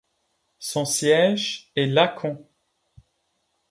Son siège est Lacon.